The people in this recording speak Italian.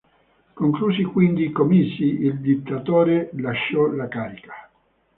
Conclusi quindi i comizi, il dittatore lasciò la carica.